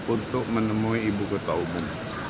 untuk menemui ibu kota umum